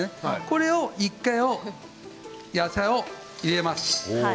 これ１回野菜を入れます。